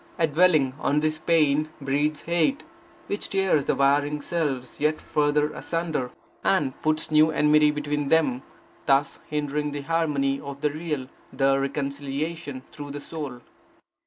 A dwelling on this pain breeds hate, which tears the warring selves yet further asunder, and puts new enmity between them, thus hindering the harmony of the Real, the reconciliation through the Soul.